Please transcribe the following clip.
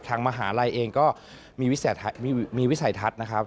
มหาลัยเองก็มีวิสัยทัศน์นะครับ